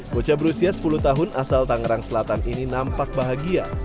bocah berusia sepuluh tahun asal tangerang selatan ini nampak bahagia